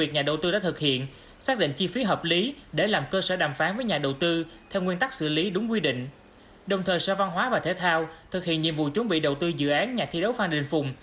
chủ tịch ủy ban nhân dân tp hcm thực hiện nhiệm vụ chuẩn bị đầu tư dự án nhà thi đấu phan đình phùng